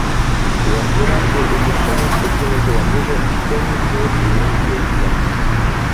Квартиранты утешают покинутого мужа и кормят его свиным зельцем.